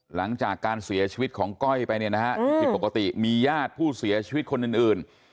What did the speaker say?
หลังจากการเสียชวิตของก้อยไปเนี่ยมียาดผู้เสียชวิตคนอื่น